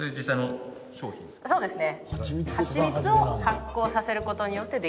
そうですね。